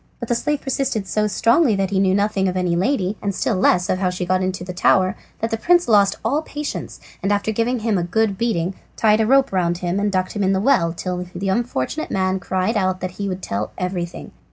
But the slave persisted so strongly that he knew nothing of any lady, and still less of how she got into the tower, that the prince lost all patience, and after giving him a good beating tied a rope round him and ducked him in the well till the unfortunate man cried out that he would tell everything.